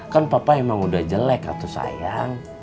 kan papa emang udah jelek waktu sayang